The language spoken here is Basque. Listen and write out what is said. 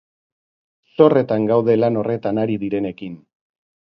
Zorretan gaude lan horretan ari direnekin.